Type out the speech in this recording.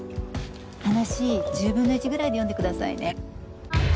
話１０分の１ぐらいで読んでくださいね。